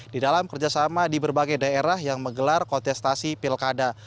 di dalam kerjasama di berbagai daerah yang menggelar kontestasi pilkada